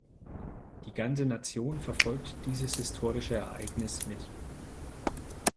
Die ganze Nation verfolgt dieses historische Ereignis mit.